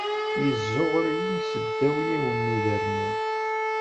Yezzuɣer-iyi seddaw yiwen n udernu.